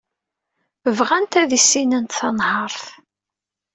Bɣant ad issinent tanhaṛt.